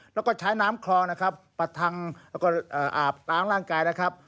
แล้วก็ใช้น้ำคลองนะครับประทังแล้วก็อาบล้างร่างกายนะครับ